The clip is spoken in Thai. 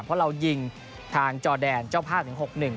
เพราะเรายิงทางจอแดนเจ้าภาพถึง๖๑